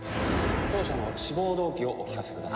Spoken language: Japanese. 当社の志望動機をお聞かせください。